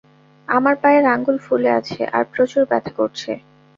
আমার পায়ের আঙ্গুল ফুলে আছে আর প্রচুর ব্যথা করছে।